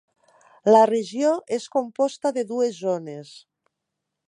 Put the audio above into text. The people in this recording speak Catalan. La regió és composta de dues zones.